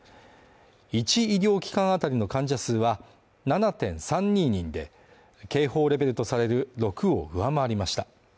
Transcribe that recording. １医療機関当たりの患者数は７．３２人で警報レベルとされる６を上回りました。